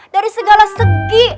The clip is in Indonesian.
dari segala segi